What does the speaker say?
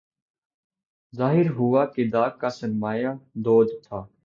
ظاہر ہوا کہ داغ کا سرمایہ دود تھا